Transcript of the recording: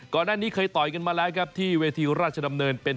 ก่อนหน้านี้เคยต่อยกันมาแล้วครับที่เวทีราชดำเนินเป็น